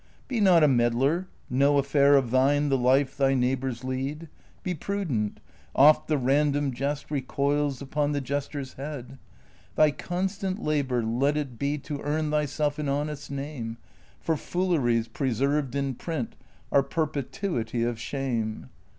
Be not a meddler ; no affair Of thine the life thy neighbors lead : Be prudent ; oft the random jest Recoils upon the jester's head. Thy constant labor let it be To earn thyself an honest name, For fooleries preserved in print Are perpetuity of shame.